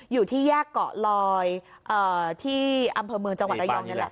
อยู่ที่แยกเกาะลอยที่อำเภอเมืองจังหวัดระยองนี่แหละ